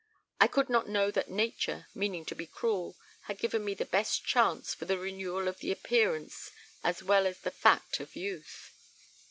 I could not know that Nature, meaning to be cruel, had given me the best chance for the renewal of the appearance as well as the fact of youth.